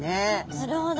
なるほど。